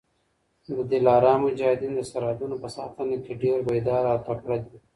د دلارام مجاهدین د سرحدونو په ساتنه کي ډېر بېداره او تکړه دي.